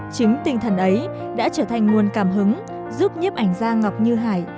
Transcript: chính tinh thần ấy đã trở thành nguồn cảm hứng giúp nhếp ảnh ra ngọc như hải